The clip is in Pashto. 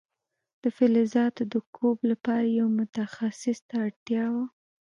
د فلزاتو د کوب لپاره یو متخصص ته اړتیا وه.